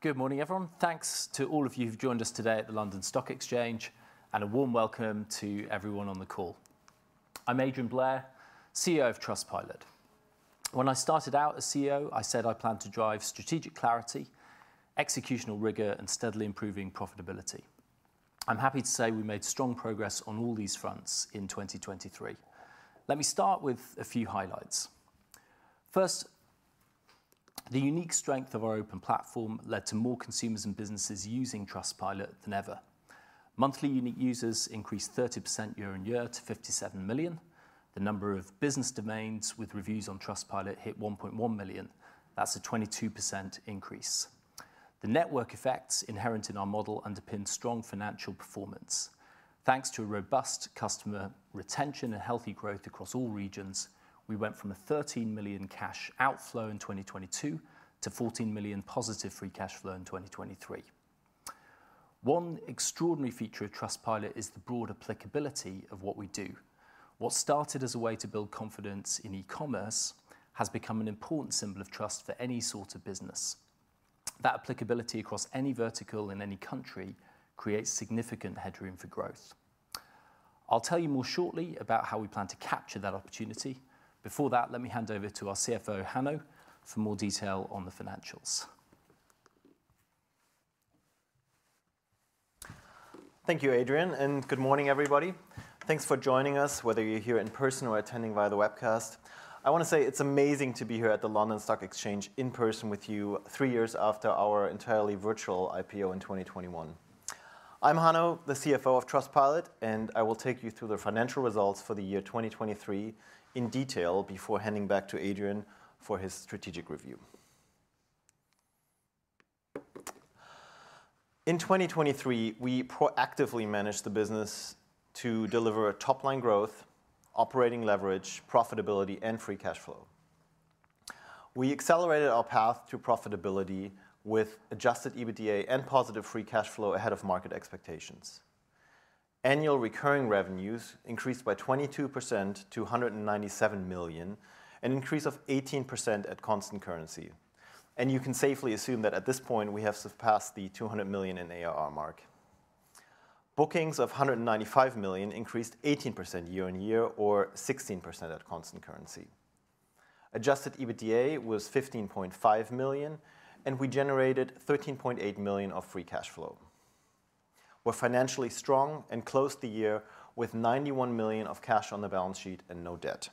Good morning, everyone. Thanks to all of you who've joined us today at the London Stock Exchange, and a warm welcome to everyone on the call. I'm Adrian Blair, CEO of Trustpilot. When I started out as CEO, I said I planned to drive strategic clarity, executional rigor, and steadily improving profitability. I'm happy to say we made strong progress on all these fronts in 2023. Let me start with a few highlights. First, the unique strength of our open platform led to more consumers and businesses using Trustpilot than ever. Monthly unique users increased 30% year-over-year to 57 million. The number of business domains with reviews on Trustpilot hit 1.1 million. That's a 22% increase. The network effects inherent in our model underpinned strong financial performance. Thanks to a robust customer retention and healthy growth across all regions, we went from a $13 million cash outflow in 2022 to $14 million positive free cash flow in 2023. One extraordinary feature of Trustpilot is the broad applicability of what we do. What started as a way to build confidence in e-commerce has become an important symbol of trust for any sort of business. That applicability across any vertical in any country creates significant headroom for growth. I'll tell you more shortly about how we plan to capture that opportunity. Before that, let me hand over to our CFO, Hanno, for more detail on the financials. Thank you, Adrian, and good morning, everybody. Thanks for joining us, whether you're here in person or attending via the webcast. I want to say it's amazing to be here at the London Stock Exchange in person with you 3 years after our entirely virtual IPO in 2021. I'm Hanno, the CFO of Trustpilot, and I will take you through the financial results for the year 2023 in detail before handing back to Adrian for his strategic review. In 2023, we proactively managed the business to deliver top-line growth, operating leverage, profitability, and free cash flow. We accelerated our path through profitability with adjusted EBITDA and positive free cash flow ahead of market expectations. Annual recurring revenues increased by 22% to $197 million, an increase of 18% at constant currency. You can safely assume that at this point, we have surpassed the $200 million in ARR mark. Bookings of $195 million increased 18% year-on-year, or 16% at constant currency. Adjusted EBITDA was $15.5 million, and we generated $13.8 million of free cash flow. We're financially strong and closed the year with $91 million of cash on the balance sheet and no debt.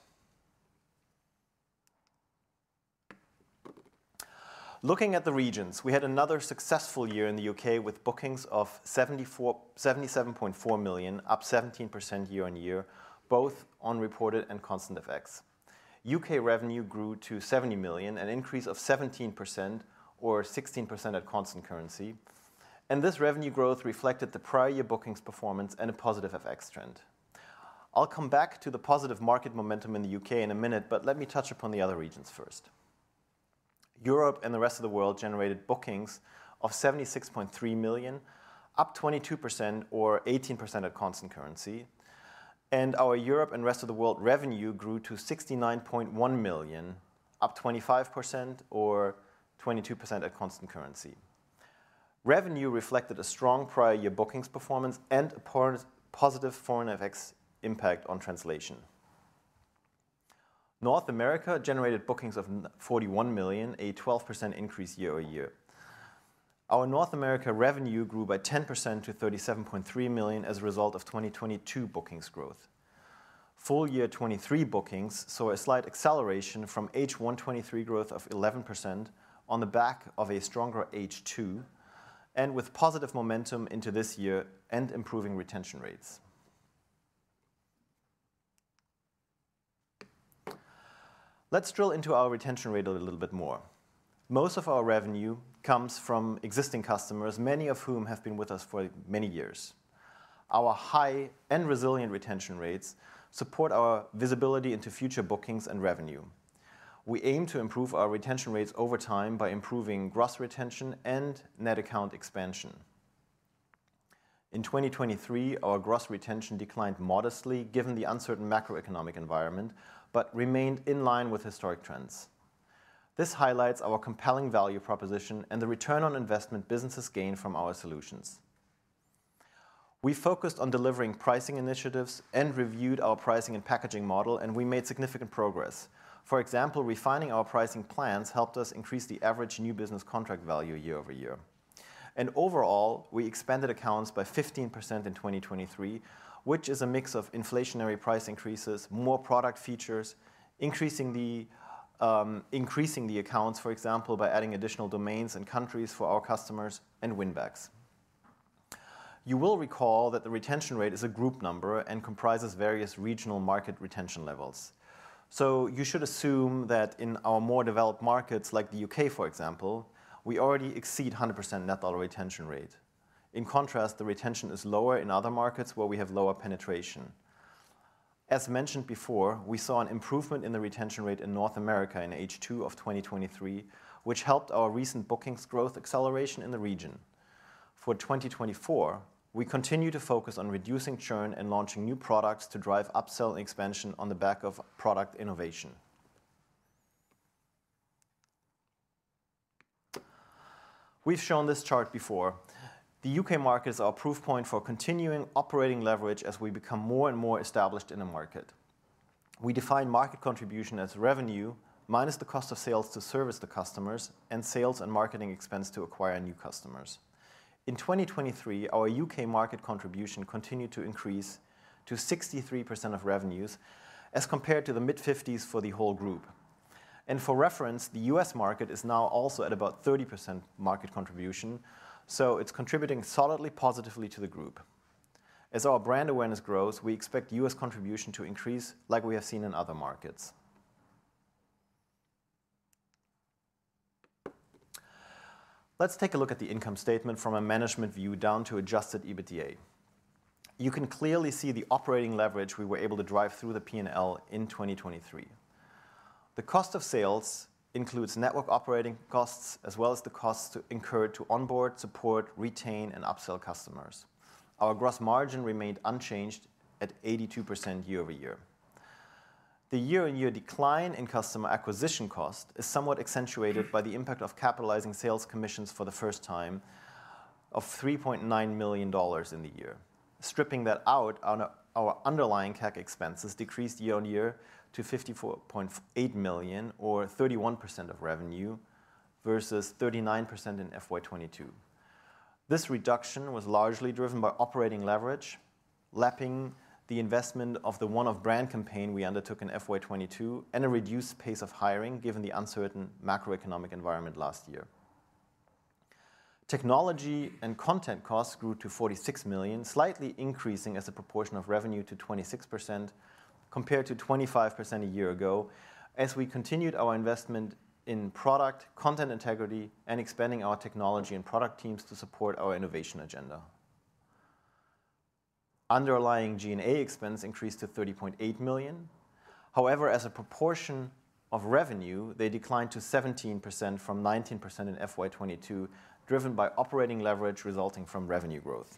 Looking at the regions, we had another successful year in the U.K. with bookings of $77.4 million, up 17% year-on-year, both on reported and constant FX. U.K. revenue grew to $70 million, an increase of 17%, or 16% at constant currency. This revenue growth reflected the prior year bookings performance and a positive FX trend. I'll come back to the positive market momentum in the U.K. in a minute, but let me touch upon the other regions first. Europe and the rest of the world generated bookings of $76.3 million, up 22%, or 18% at constant currency. Our Europe and rest of the world revenue grew to $69.1 million, up 25%, or 22% at constant currency. Revenue reflected a strong prior year bookings performance and a positive foreign FX impact on translation. North America generated bookings of $41 million, a 12% increase year-on-year. Our North America revenue grew by 10% to $37.3 million as a result of 2022 bookings growth. Full-year 2023 bookings saw a slight acceleration from H1 2023 growth of 11% on the back of a stronger H2, and with positive momentum into this year and improving retention rates. Let's drill into our retention rate a little bit more. Most of our revenue comes from existing customers, many of whom have been with us for many years. Our high and resilient retention rates support our visibility into future bookings and revenue. We aim to improve our retention rates over time by improving gross retention and net account expansion. In 2023, our gross retention declined modestly given the uncertain macroeconomic environment, but remained in line with historic trends. This highlights our compelling value proposition and the return on investment businesses gain from our solutions. We focused on delivering pricing initiatives and reviewed our pricing and packaging model, and we made significant progress. For example, refining our pricing plans helped us increase the average new business contract value year-over-year. Overall, we expanded accounts by 15% in 2023, which is a mix of inflationary price increases, more product features, increasing the accounts, for example, by adding additional domains and countries for our customers, and winbacks. You will recall that the retention rate is a group number and comprises various regional market retention levels. You should assume that in our more developed markets like the U.K., for example, we already exceed 100% net dollar retention rate. In contrast, the retention is lower in other markets where we have lower penetration. As mentioned before, we saw an improvement in the retention rate in North America in H2 of 2023, which helped our recent bookings growth acceleration in the region. For 2024, we continue to focus on reducing churn and launching new products to drive upselling expansion on the back of product innovation. We've shown this chart before. The U.K. markets are a proof point for continuing operating leverage as we become more and more established in the market. We define market contribution as revenue minus the cost of sales to service the customers and sales and marketing expense to acquire new customers. In 2023, our U.K. market contribution continued to increase to 63% of revenues as compared to the mid-50s for the whole group. For reference, the U.S. market is now also at about 30% market contribution, so it's contributing solidly positively to the group. As our brand awareness grows, we expect U.S. contribution to increase like we have seen in other markets. Let's take a look at the income statement from a management view down to adjusted EBITDA. You can clearly see the operating leverage we were able to drive through the P&L in 2023. The cost of sales includes network operating costs as well as the costs incurred to onboard, support, retain, and upsell customers. Our gross margin remained unchanged at 82% year-over-year. The year-on-year decline in customer acquisition cost is somewhat accentuated by the impact of capitalizing sales commissions for the first time of $3.9 million in the year. Stripping that out, our underlying CAC expenses decreased year-on-year to $54.8 million, or 31% of revenue, versus 39% in FY 2022. This reduction was largely driven by operating leverage, lapping the investment of the one-off brand campaign we undertook in FY 2022, and a reduced pace of hiring given the uncertain macroeconomic environment last year. Technology and content costs grew to $46 million, slightly increasing as a proportion of revenue to 26% compared to 25% a year ago as we continued our investment in product, content integrity, and expanding our technology and product teams to support our innovation agenda. Underlying G&A expense increased to $30.8 million. However, as a proportion of revenue, they declined to 17% from 19% in FY 2022, driven by operating leverage resulting from revenue growth.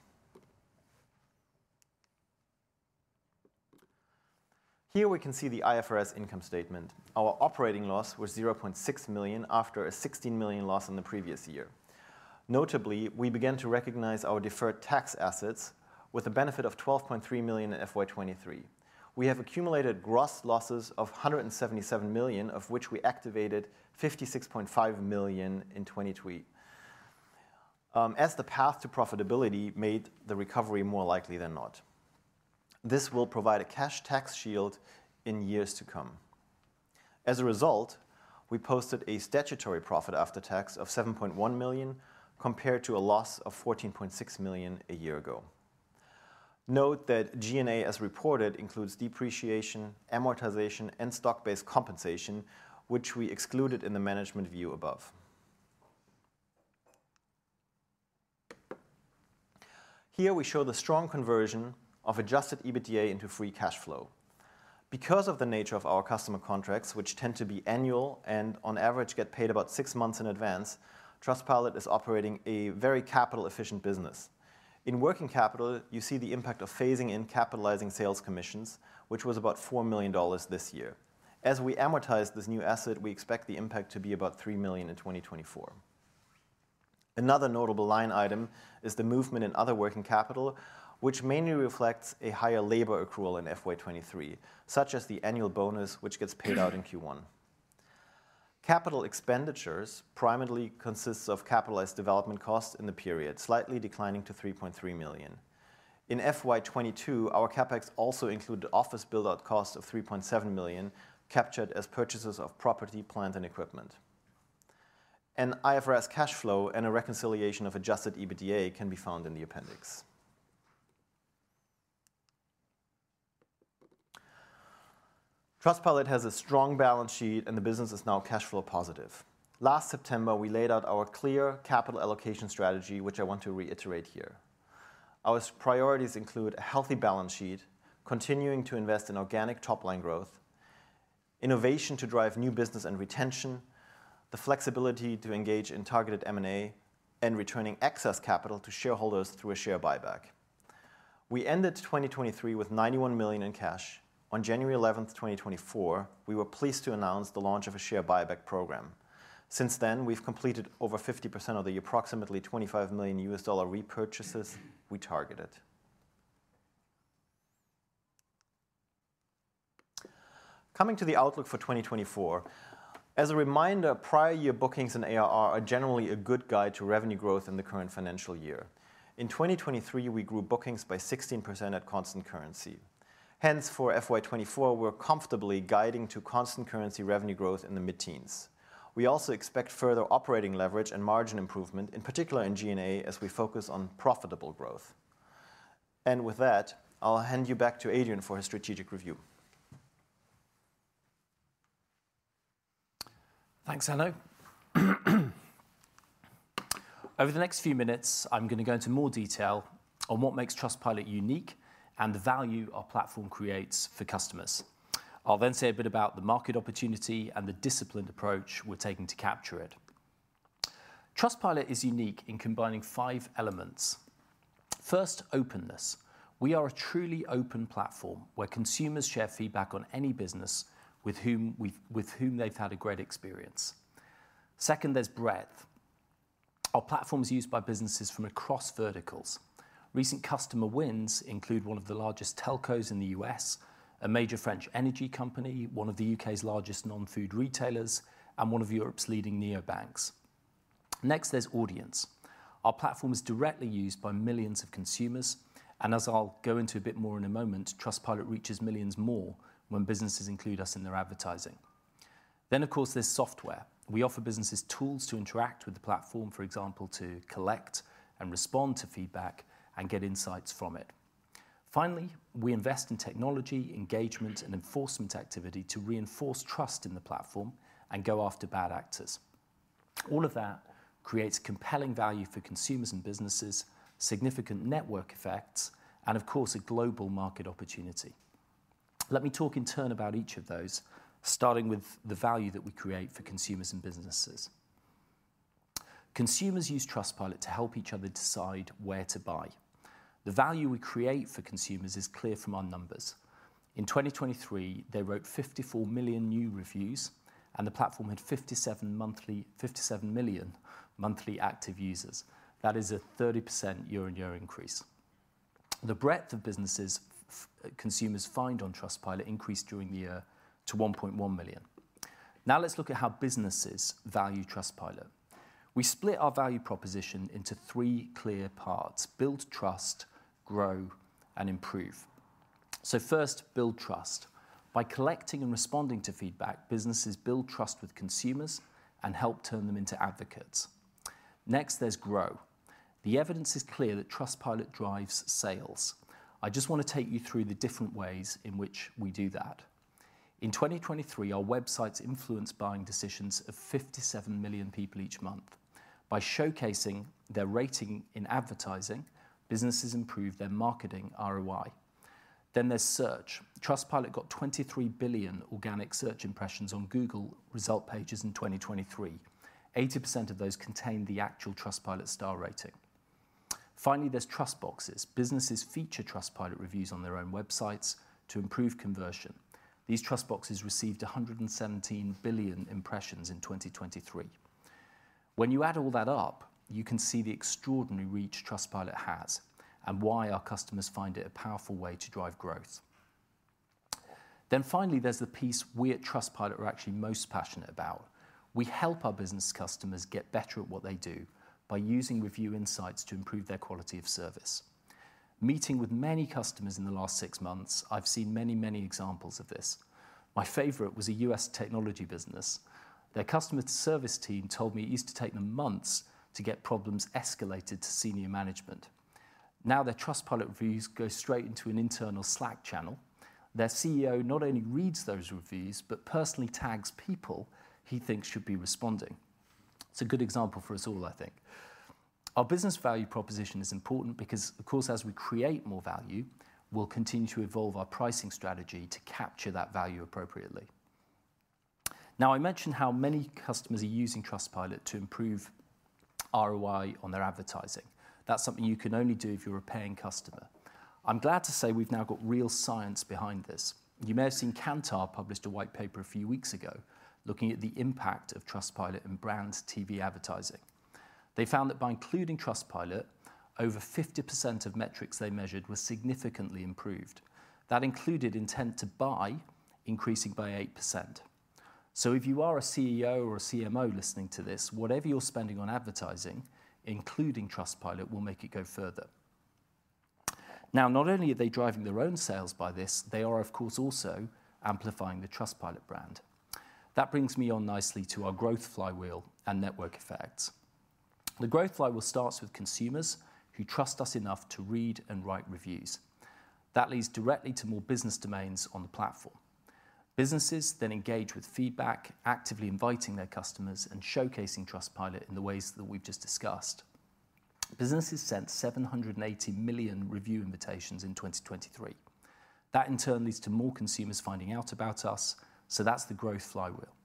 Here we can see the IFRS income statement. Our operating loss was $0.6 million after a $16 million loss in the previous year. Notably, we began to recognize our deferred tax assets with a benefit of $12.3 million in FY 2023. We have accumulated gross losses of $177 million, of which we activated $56.5 million in 2023, as the path to profitability made the recovery more likely than not. This will provide a cash tax shield in years to come. As a result, we posted a statutory profit after tax of $7.1 million compared to a loss of $14.6 million a year ago. Note that G&A, as reported, includes depreciation, amortization, and stock-based compensation, which we excluded in the management view above. Here we show the strong conversion of adjusted EBITDA into free cash flow. Because of the nature of our customer contracts, which tend to be annual and on average get paid about six months in advance, Trustpilot is operating a very capital-efficient business. In working capital, you see the impact of phasing in capitalizing sales commissions, which was about $4 million this year. As we amortize this new asset, we expect the impact to be about $3 million in 2024. Another notable line item is the movement in other working capital, which mainly reflects a higher labor accrual in FY 2023, such as the annual bonus, which gets paid out in Q1. Capital expenditures primarily consist of capitalized development costs in the period, slightly declining to $3.3 million. In FY 2022, our CapEx also included office build-out costs of $3.7 million, captured as purchases of property, plant, and equipment. An IFRS cash flow and a reconciliation of adjusted EBITDA can be found in the appendix. Trustpilot has a strong balance sheet, and the business is now cash flow positive. Last September, we laid out our clear capital allocation strategy, which I want to reiterate here. Our priorities include a healthy balance sheet, continuing to invest in organic top-line growth, innovation to drive new business and retention, the flexibility to engage in targeted M&A, and returning excess capital to shareholders through a share buyback. We ended 2023 with $91 million in cash. On January 11, 2024, we were pleased to announce the launch of a share buyback program. Since then, we've completed over 50% of the approximately $25 million repurchases we targeted. Coming to the outlook for 2024, as a reminder, prior year bookings and ARR are generally a good guide to revenue growth in the current financial year. In 2023, we grew bookings by 16% at constant currency. Hence, for FY 2024, we're comfortably guiding to constant currency revenue growth in the mid-teens. We also expect further operating leverage and margin improvement, in particular in G&A, as we focus on profitable growth. With that, I'll hand you back to Adrian for his strategic review. Thanks, Hanno. Over the next few minutes, I'm going to go into more detail on what makes Trustpilot unique and the value our platform creates for customers. I'll then say a bit about the market opportunity and the disciplined approach we're taking to capture it. Trustpilot is unique in combining five elements. First, openness. We are a truly open platform where consumers share feedback on any business with whom they've had a great experience. Second, there's breadth. Our platform is used by businesses from across verticals. Recent customer wins include one of the largest telcos in the U.S., a major French energy company, one of the U.K.'s largest non-food retailers, and one of Europe's leading neobanks. Next, there's audience. Our platform is directly used by millions of consumers. And as I'll go into a bit more in a moment, Trustpilot reaches millions more when businesses include us in their advertising. Then, of course, there's software. We offer businesses tools to interact with the platform, for example, to collect and respond to feedback and get insights from it. Finally, we invest in technology, engagement, and enforcement activity to reinforce trust in the platform and go after bad actors. All of that creates compelling value for consumers and businesses, significant network effects, and, of course, a global market opportunity. Let me talk in turn about each of those, starting with the value that we create for consumers and businesses. Consumers use Trustpilot to help each other decide where to buy. The value we create for consumers is clear from our numbers. In 2023, they wrote 54 million new reviews, and the platform had 57 million monthly active users. That is a 30% year-over-year increase. The breadth of businesses consumers find on Trustpilot increased during the year to 1.1 million. Now let's look at how businesses value Trustpilot. We split our value proposition into three clear parts: build trust, grow, and improve. So first, build trust. By collecting and responding to feedback, businesses build trust with consumers and help turn them into advocates. Next, there's grow. The evidence is clear that Trustpilot drives sales. I just want to take you through the different ways in which we do that. In 2023, our website's influenced buying decisions of 57 million people each month. By showcasing their rating in advertising, businesses improve their marketing ROI. Then there's search. Trustpilot got 23 billion organic search impressions on Google result pages in 2023. 80% of those contained the actual Trustpilot star rating. Finally, there's TrustBoxes. Businesses feature Trustpilot reviews on their own websites to improve conversion. These TrustBoxes received 117 billion impressions in 2023. When you add all that up, you can see the extraordinary reach Trustpilot has and why our customers find it a powerful way to drive growth. Then finally, there's the piece we at Trustpilot are actually most passionate about. We help our business customers get better at what they do by using review insights to improve their quality of service. Meeting with many customers in the last six months, I've seen many, many examples of this. My favorite was a U.S. technology business. Their customer service team told me it used to take them months to get problems escalated to senior management. Now their Trustpilot reviews go straight into an internal Slack channel. Their CEO not only reads those reviews but personally tags people he thinks should be responding. It's a good example for us all, I think. Our business value proposition is important because, of course, as we create more value, we'll continue to evolve our pricing strategy to capture that value appropriately. Now, I mentioned how many customers are using Trustpilot to improve ROI on their advertising. That's something you can only do if you're a paying customer. I'm glad to say we've now got real science behind this. You may have seen Kantar publish a white paper a few weeks ago looking at the impact of Trustpilot in brand TV advertising. They found that by including Trustpilot, over 50% of metrics they measured were significantly improved. That included intent to buy, increasing by 8%. So if you are a CEO or a CMO listening to this, whatever you're spending on advertising, including Trustpilot, will make it go further. Now, not only are they driving their own sales by this, they are, of course, also amplifying the Trustpilot brand. That brings me on nicely to our growth flywheel and network effects. The growth flywheel starts with consumers who trust us enough to read and write reviews. That leads directly to more business domains on the platform. Businesses then engage with feedback, actively inviting their customers and showcasing Trustpilot in the ways that we've just discussed. Businesses sent 780 million review invitations in 2023. That, in turn, leads to more consumers finding out about us, so that's the growth flywheel.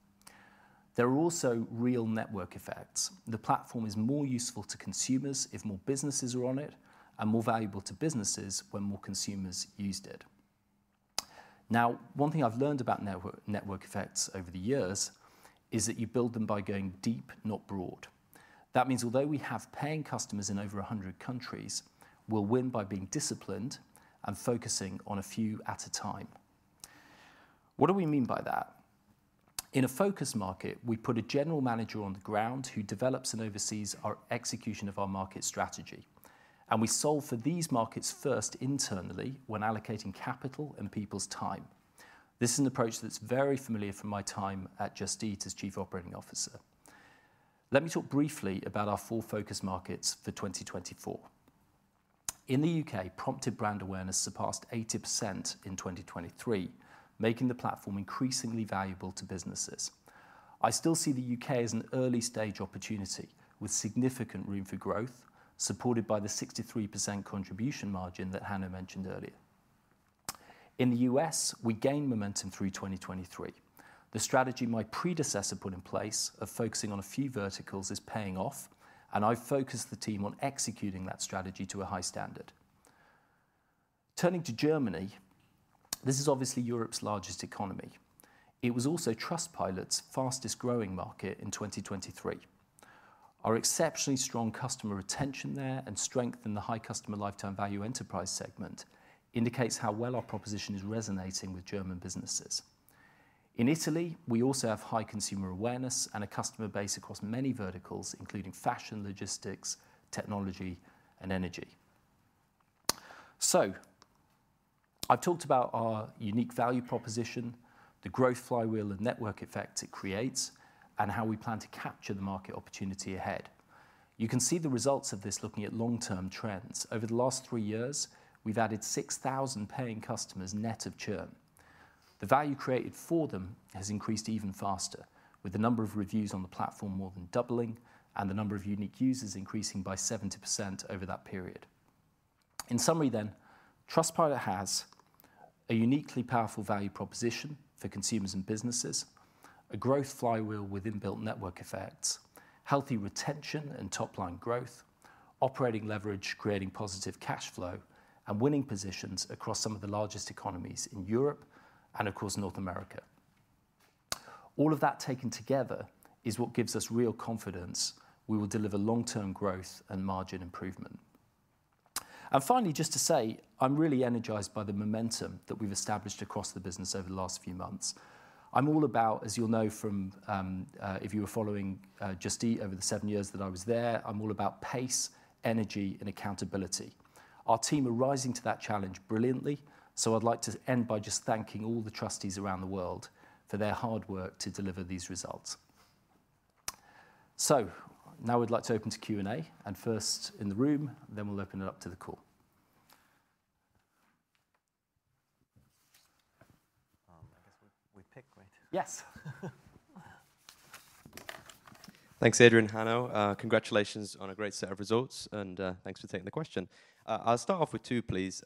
There are also real network effects. The platform is more useful to consumers if more businesses are on it and more valuable to businesses when more consumers used it. Now, one thing I've learned about network effects over the years is that you build them by going deep, not broad. That means although we have paying customers in over 100 countries, we'll win by being disciplined and focusing on a few at a time. What do we mean by that? In a focused market, we put a General Manager on the ground who develops and oversees our execution of our market strategy. We solve for these markets first internally when allocating capital and people's time. This is an approach that's very familiar from my time at Just Eat as Chief Operating Officer. Let me talk briefly about our four focused markets for 2024. In the U.K., prompted brand awareness surpassed 80% in 2023, making the platform increasingly valuable to businesses. I still see the U.K. as an early-stage opportunity with significant room for growth, supported by the 63% contribution margin that Hanno mentioned earlier. In the U.S., we gained momentum through 2023. The strategy my predecessor put in place of focusing on a few verticals is paying off, and I've focused the team on executing that strategy to a high standard. Turning to Germany, this is obviously Europe's largest economy. It was also Trustpilot's fastest-growing market in 2023. Our exceptionally strong customer retention there and strength in the high-customer lifetime value enterprise segment indicate how well our proposition is resonating with German businesses. In Italy, we also have high consumer awareness and a customer base across many verticals, including fashion, logistics, technology, and energy. So I've talked about our unique value proposition, the growth flywheel and network effects it creates, and how we plan to capture the market opportunity ahead. You can see the results of this looking at long-term trends. Over the last three years, we've added 6,000 paying customers net of churn. The value created for them has increased even faster, with the number of reviews on the platform more than doubling and the number of unique users increasing by 70% over that period. In summary, then, Trustpilot has a uniquely powerful value proposition for consumers and businesses, a growth flywheel with inbuilt network effects, healthy retention and top-line growth, operating leverage creating positive cash flow, and winning positions across some of the largest economies in Europe and, of course, North America. All of that taken together is what gives us real confidence we will deliver long-term growth and margin improvement. Finally, just to say, I'm really energized by the momentum that we've established across the business over the last few months. I'm all about, as you'll know from if you were following Just Eat over the seven years that I was there, I'm all about pace, energy, and accountability. Our team are rising to that challenge brilliantly, so I'd like to end by just thanking all the Trusties around the world for their hard work to deliver these results. Now we'd like to open to Q&A. First in the room, then we'll open it up to the call. I guess we pick, right? Yes. Thanks, Adrian, Hanno. Congratulations on a great set of results, and thanks for taking the question. I'll start off with two, please.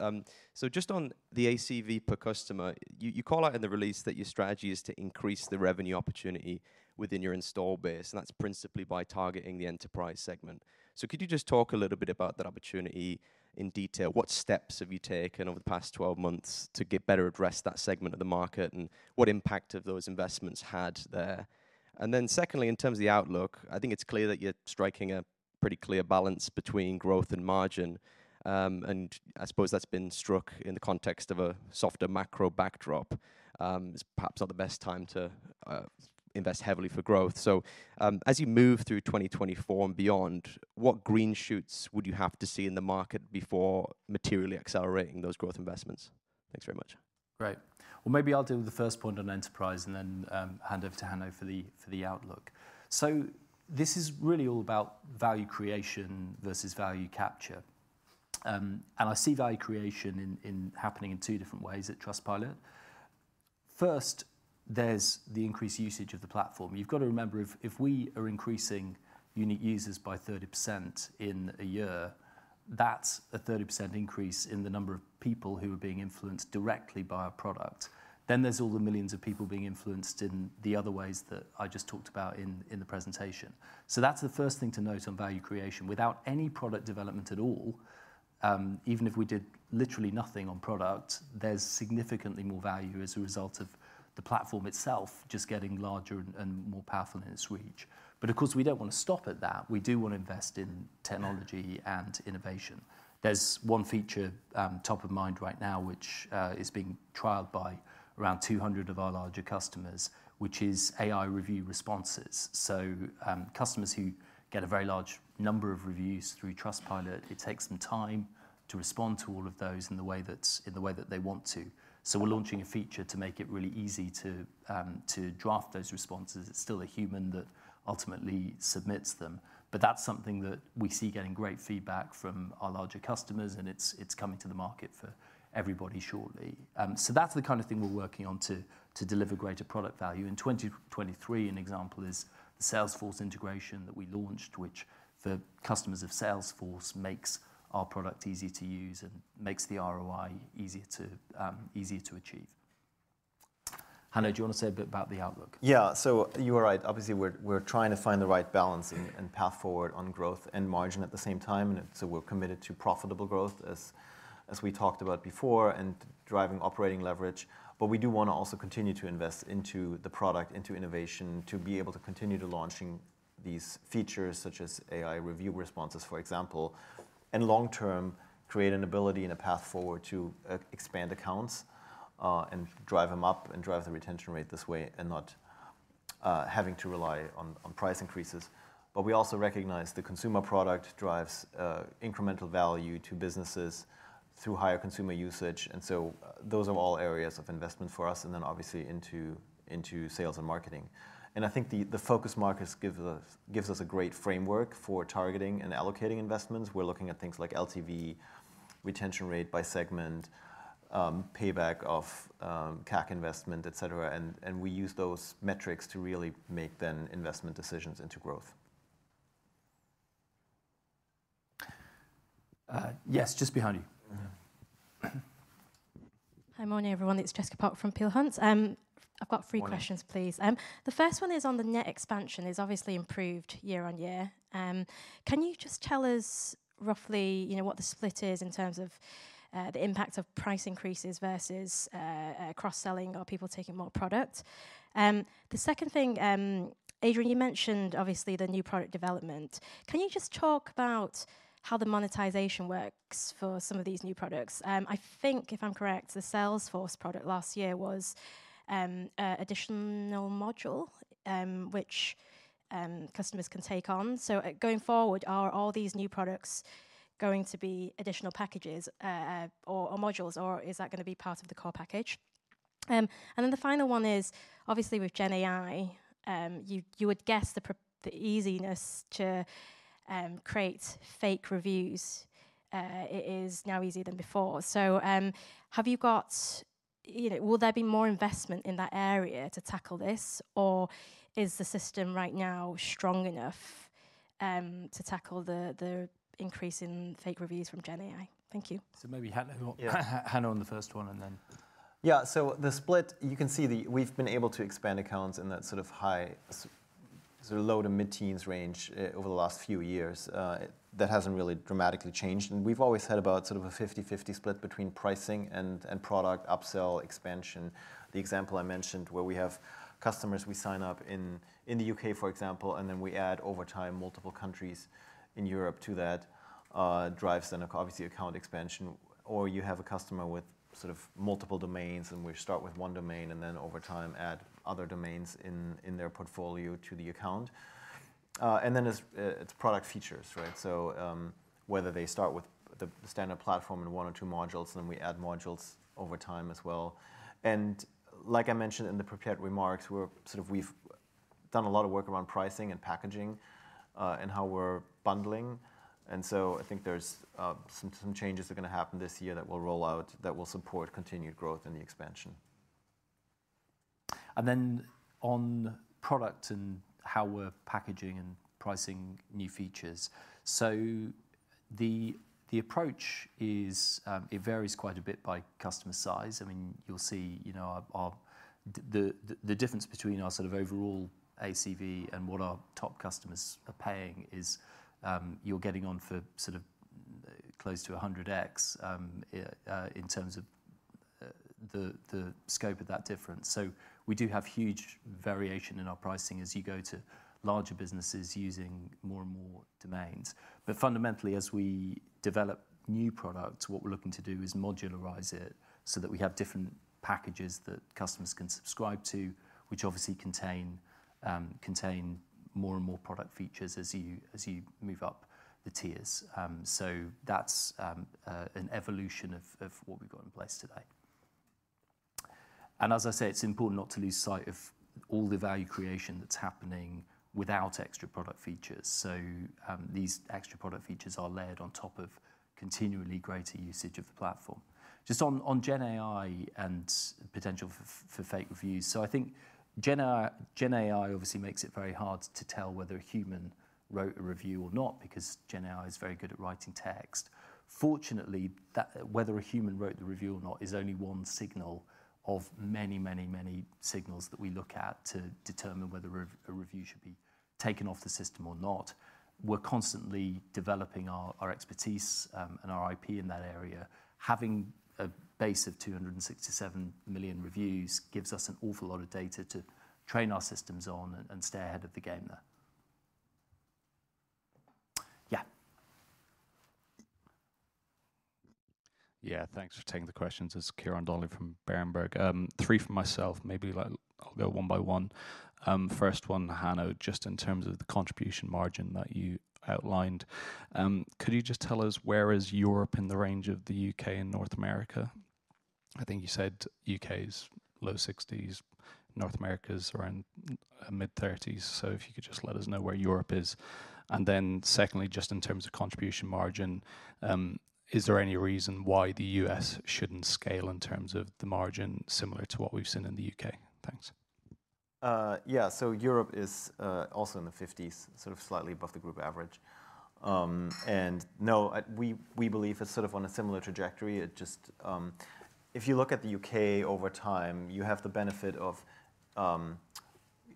So just on the ACV per customer, you call out in the release that your strategy is to increase the revenue opportunity within your install base, and that's principally by targeting the enterprise segment. So could you just talk a little bit about that opportunity in detail? What steps have you taken over the past 12 months to better address that segment of the market, and what impact have those investments had there? And then secondly, in terms of the outlook, I think it's clear that you're striking a pretty clear balance between growth and margin. And I suppose that's been struck in the context of a softer macro backdrop. It's perhaps not the best time to invest heavily for growth. So as you move through 2024 and beyond, what green shoots would you have to see in the market before materially accelerating those growth investments? Thanks very much. Great. Well, maybe I'll do the first point on enterprise and then hand over to Hanno for the outlook. So this is really all about value creation versus value capture. And I see value creation happening in two different ways at Trustpilot. First, there's the increased usage of the platform. You've got to remember, if we are increasing unique users by 30% in a year, that's a 30% increase in the number of people who are being influenced directly by our product. Then there's all the millions of people being influenced in the other ways that I just talked about in the presentation. So that's the first thing to note on value creation. Without any product development at all, even if we did literally nothing on product, there's significantly more value as a result of the platform itself just getting larger and more powerful in its reach. But of course, we don't want to stop at that. We do want to invest in technology and innovation. There's one feature top of mind right now, which is being trialed by around 200 of our larger customers, which is AI review responses. So customers who get a very large number of reviews through Trustpilot, it takes them time to respond to all of those in the way that they want to. So we're launching a feature to make it really easy to draft those responses. It's still a human that ultimately submits them. But that's something that we see getting great feedback from our larger customers, and it's coming to the market for everybody shortly. So that's the kind of thing we're working on to deliver greater product value. In 2023, an example is the Salesforce integration that we launched, which for customers of Salesforce makes our product easy to use and makes the ROI easier to achieve. Hanno, do you want to say a bit about the outlook? Yeah. So you're right. Obviously, we're trying to find the right balance and path forward on growth and margin at the same time. And so we're committed to profitable growth, as we talked about before, and driving operating leverage. But we do want to also continue to invest into the product, into innovation, to be able to continue to launch these features such as AI review responses, for example, and long-term create an ability and a path forward to expand accounts and drive them up and drive the retention rate this way and not having to rely on price increases. But we also recognize the consumer product drives incremental value to businesses through higher consumer usage. And so those are all areas of investment for us, and then obviously into sales and marketing. And I think the focused markets give us a great framework for targeting and allocating investments. We're looking at things like LTV, retention rate by segment, payback of CAC investment, etc. We use those metrics to really make the investment decisions into growth. Yes, just behind you. Hi, morning, everyone. It's Jessica Pok from Peel Hunt. I've got three questions, please. The first one is on the net expansion. It's obviously improved year-on-year. Can you just tell us roughly what the split is in terms of the impact of price increases versus cross-selling? Are people taking more product? The second thing, Adrian, you mentioned obviously the new product development. Can you just talk about how the monetization works for some of these new products? I think, if I'm correct, the Salesforce product last year was an additional module, which customers can take on. So going forward, are all these new products going to be additional packages or modules, or is that going to be part of the core package? And then the final one is, obviously, with GenAI, you would guess the easiness to create fake reviews is now easier than before. So, will there be more investment in that area to tackle this, or is the system right now strong enough to tackle the increase in fake reviews from GenAI? Thank you. So maybe Hanno on the first one, and then. Yeah. So the split, you can see we've been able to expand accounts in that sort of high, sort of low to mid-teens range over the last few years. That hasn't really dramatically changed. And we've always had about sort of a 50/50 split between pricing and product upsell expansion. The example I mentioned where we have customers we sign up in the U.K., for example, and then we add over time multiple countries in Europe to that drives then, obviously, account expansion. Or you have a customer with sort of multiple domains, and we start with one domain and then over time add other domains in their portfolio to the account. And then it's product features, right? So whether they start with the standard platform in one or two modules, and then we add modules over time as well. Like I mentioned in the prepared remarks, we've done a lot of work around pricing and packaging and how we're bundling. So I think there's some changes that are going to happen this year that will roll out that will support continued growth and the expansion. Then on product and how we're packaging and pricing new features. The approach varies quite a bit by customer size. I mean, you'll see the difference between our sort of overall ACV and what our top customers are paying is you're getting on for sort of close to 100x in terms of the scope of that difference. We do have huge variation in our pricing as you go to larger businesses using more and more domains. But fundamentally, as we develop new products, what we're looking to do is modularize it so that we have different packages that customers can subscribe to, which obviously contain more and more product features as you move up the tiers. That's an evolution of what we've got in place today. As I say, it's important not to lose sight of all the value creation that's happening without extra product features. These extra product features are layered on top of continually greater usage of the platform. Just on GenAI and potential for fake reviews. I think GenAI obviously makes it very hard to tell whether a human wrote a review or not because GenAI is very good at writing text. Fortunately, whether a human wrote the review or not is only one signal of many, many, many signals that we look at to determine whether a review should be taken off the system or not. We're constantly developing our expertise and our IP in that area. Having a base of 267 million reviews gives us an awful lot of data to train our systems on and stay ahead of the game there. Yeah. Yeah. Thanks for taking the questions. It's Ciarán Donnelly from Berenberg. Three from myself. Maybe I'll go one by one. First one, Hanno, just in terms of the contribution margin that you outlined. Could you just tell us where is Europe in the range of the U.K. and North America? I think you said U.K. is low 60s, North America's around mid-30s. So if you could just let us know where Europe is. And then secondly, just in terms of contribution margin, is there any reason why the U.S. shouldn't scale in terms of the margin similar to what we've seen in the U.K.? Thanks. Yeah. So Europe is also in the 50s, sort of slightly above the group average. And no, we believe it's sort of on a similar trajectory. If you look at the U.K. over time, you have the benefit of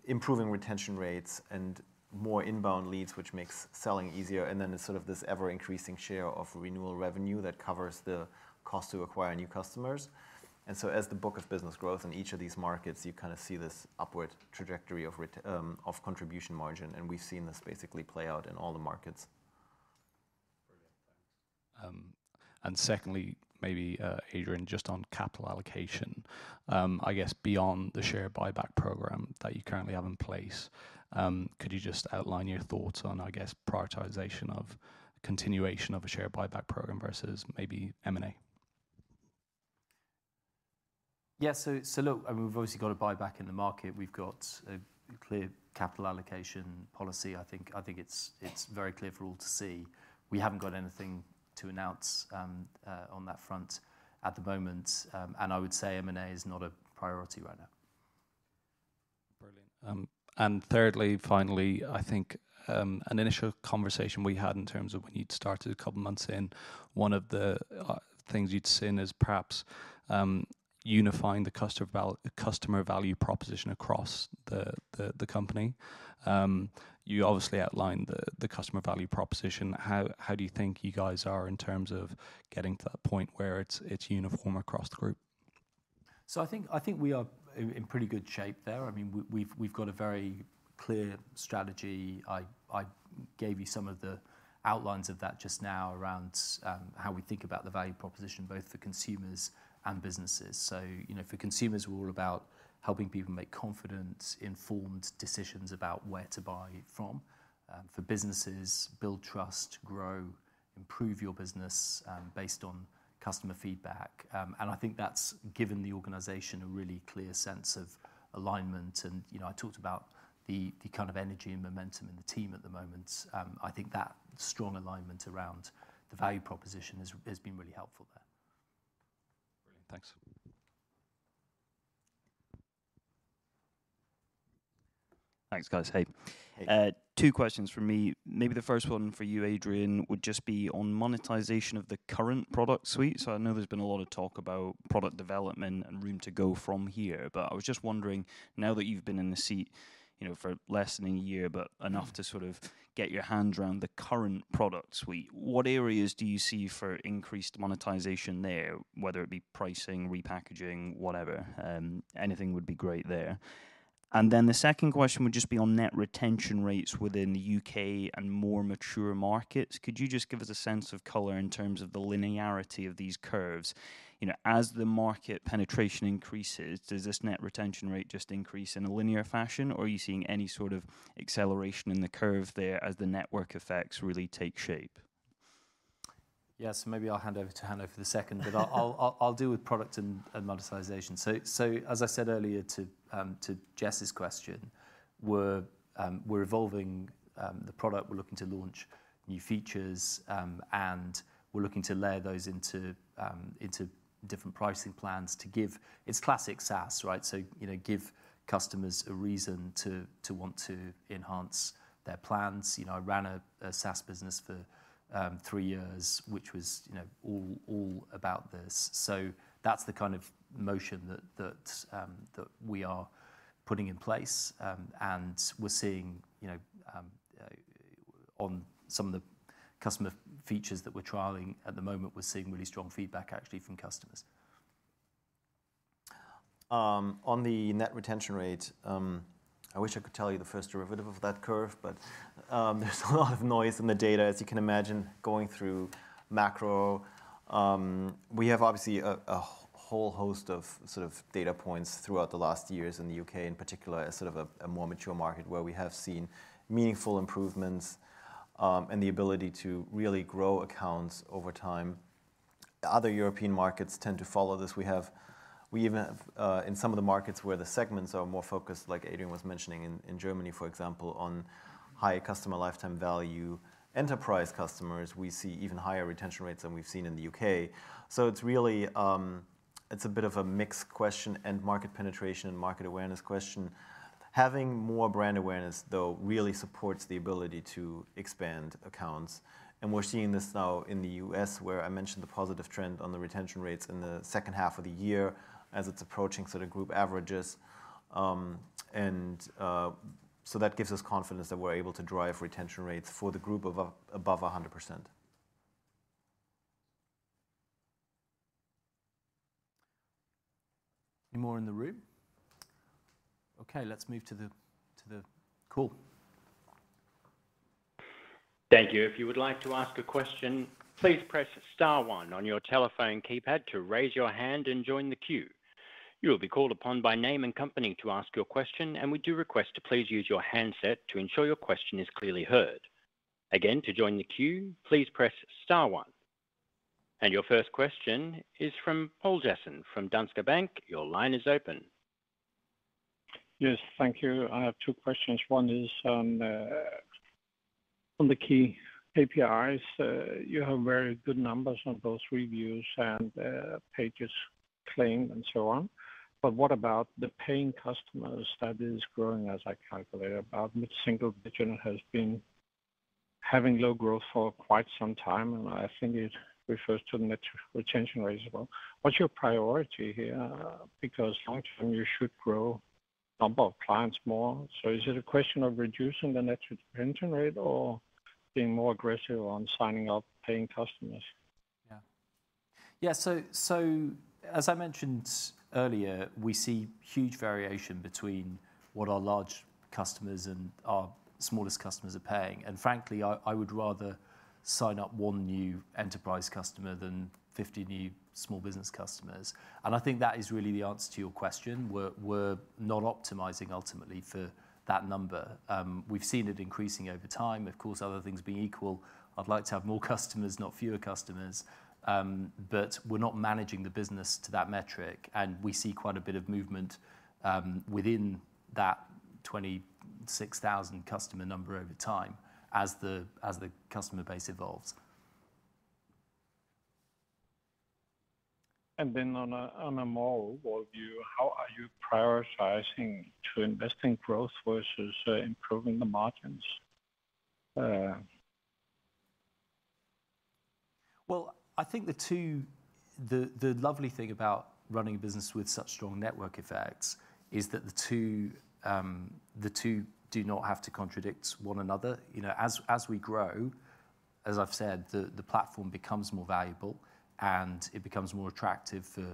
improving retention rates and more inbound leads, which makes selling easier. And then it's sort of this ever-increasing share of renewal revenue that covers the cost to acquire new customers. And so as the book of business grows in each of these markets, you kind of see this upward trajectory of contribution margin. And we've seen this basically play out in all the markets. Brilliant. Thanks. And secondly, maybe, Adrian, just on capital allocation. I guess beyond the share buyback program that you currently have in place, could you just outline your thoughts on, I guess, prioritization of continuation of a share buyback program versus maybe M&A? Yeah. So look, I mean, we've obviously got a buyback in the market. We've got a clear capital allocation policy. I think it's very clear for all to see. We haven't got anything to announce on that front at the moment. And I would say M&A is not a priority right now. Brilliant. And thirdly, finally, I think an initial conversation we had in terms of when you'd started a couple of months in, one of the things you'd seen is perhaps unifying the customer value proposition across the company. You obviously outlined the customer value proposition. How do you think you guys are in terms of getting to that point where it's uniform across the group? So I think we are in pretty good shape there. I mean, we've got a very clear strategy. I gave you some of the outlines of that just now around how we think about the value proposition, both for consumers and businesses. So for consumers, we're all about helping people make confident, informed decisions about where to buy from. For businesses, build trust, grow, improve your business based on customer feedback. And I think that's given the organization a really clear sense of alignment. And I talked about the kind of energy and momentum in the team at the moment. I think that strong alignment around the value proposition has been really helpful there. Brilliant. Thanks. Thanks, guys. Hey. Two questions from me. Maybe the first one for you, Adrian, would just be on monetization of the current product suite. So I know there's been a lot of talk about product development and room to go from here. But I was just wondering, now that you've been in the seat for less than a year, but enough to sort of get your hands around the current product suite, what areas do you see for increased monetization there, whether it be pricing, repackaging, whatever? Anything would be great there. And then the second question would just be on net retention rates within the U.K. and more mature markets. Could you just give us a sense of color in terms of the linearity of these curves? As the market penetration increases, does this net retention rate just increase in a linear fashion, or are you seeing any sort of acceleration in the curve there as the network effects really take shape? Yeah. So maybe I'll hand over to Hanno for the second, but I'll deal with product and monetization. So as I said earlier, to Jess's question, we're evolving the product. We're looking to launch new features, and we're looking to layer those into different pricing plans to give it's classic SaaS, right? So give customers a reason to want to enhance their plans. I ran a SaaS business for three years, which was all about this. So that's the kind of motion that we are putting in place. And we're seeing on some of the customer features that we're trialing at the moment, we're seeing really strong feedback, actually, from customers. On the net retention rate, I wish I could tell you the first derivative of that curve, but there's a lot of noise in the data, as you can imagine, going through macro. We have obviously a whole host of sort of data points throughout the last years in the U.K., in particular, as sort of a more mature market where we have seen meaningful improvements and the ability to really grow accounts over time. Other European markets tend to follow this. We even have in some of the markets where the segments are more focused, like Adrian was mentioning in Germany, for example, on high customer lifetime value. Enterprise customers, we see even higher retention rates than we've seen in the U.K. So it's a bit of a mixed question and market penetration and market awareness question. Having more brand awareness, though, really supports the ability to expand accounts. We're seeing this now in the U.S., where I mentioned the positive trend on the retention rates in the second half of the year as it's approaching sort of group averages. So that gives us confidence that we're able to drive retention rates for the group above 100%. Any more in the room? Okay. Let's move to the call. Thank you. If you would like to ask a question, please press Star one on your telephone keypad to raise your hand and join the queue. You will be called upon by name and company to ask your question, and we do request to please use your handset to ensure your question is clearly heard. Again, to join the queue, please press Star one. And your first question is from Poul Jessen from Danske Bank. Your line is open. Yes. Thank you. I have two questions. One is on the key KPIs. You have very good numbers on those reviews and pages claimed and so on. But what about the paying customers? That is growing, as I calculate, about single-digit region has been having low growth for quite some time, and I think it refers to net retention rates as well. What's your priority here? Because long term, you should grow number of clients more. So is it a question of reducing the net retention rate or being more aggressive on signing up paying customers? Yeah. Yeah. So as I mentioned earlier, we see huge variation between what our large customers and our smallest customers are paying. And frankly, I would rather sign up one new enterprise customer than 50 new small business customers. And I think that is really the answer to your question. We're not optimizing, ultimately, for that number. We've seen it increasing over time. Of course, other things being equal, I'd like to have more customers, not fewer customers. But we're not managing the business to that metric, and we see quite a bit of movement within that 26,000 customer number over time as the customer base evolves. On a more worldview, how are you prioritizing to invest in growth versus improving the margins? Well, I think the lovely thing about running a business with such strong network effects is that the two do not have to contradict one another. As we grow, as I've said, the platform becomes more valuable, and it becomes more attractive for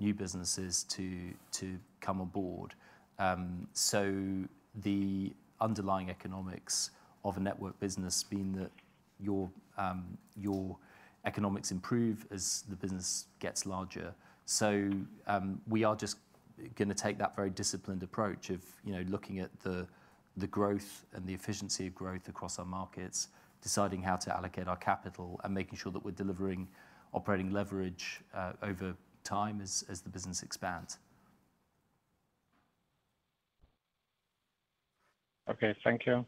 new businesses to come aboard. So the underlying economics of a network business being that your economics improve as the business gets larger. So we are just going to take that very disciplined approach of looking at the growth and the efficiency of growth across our markets, deciding how to allocate our capital, and making sure that we're delivering operating leverage over time as the business expands. Okay. Thank you.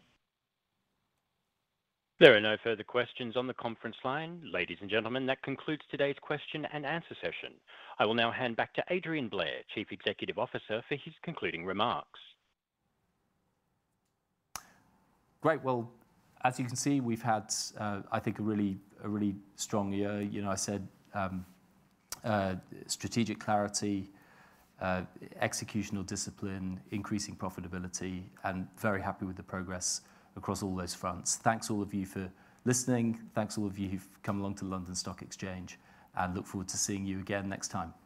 There are no further questions on the conference line. Ladies and gentlemen, that concludes today's question and answer session. I will now hand back to Adrian Blair, Chief Executive Officer, for his concluding remarks. Great. Well, as you can see, we've had, I think, a really strong year. I said strategic clarity, executional discipline, increasing profitability, and very happy with the progress across all those fronts. Thanks all of you for listening. Thanks all of you who've come along to London Stock Exchange. And look forward to seeing you again next time. Bye.